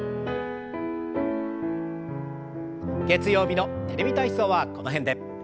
月曜日の「テレビ体操」はこの辺で。